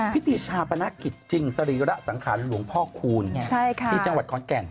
พิธีชาปนกิจจริงสรีระสังขารหลวงพ่อคูณที่จังหวัดขอนแก่น